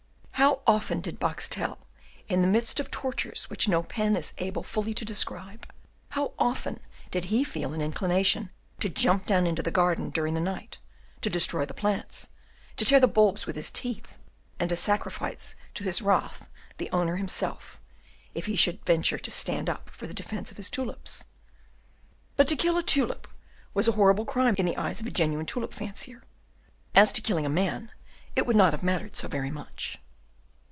How often did Boxtel, in the midst of tortures which no pen is able fully to describe, how often did he feel an inclination to jump down into the garden during the night, to destroy the plants, to tear the bulbs with his teeth, and to sacrifice to his wrath the owner himself, if he should venture to stand up for the defence of his tulips! But to kill a tulip was a horrible crime in the eyes of a genuine tulip fancier; as to killing a man, it would not have mattered so very much.